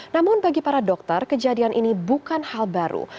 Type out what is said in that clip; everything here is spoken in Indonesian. namun bagi para dokter kejadian ini bukan hal baru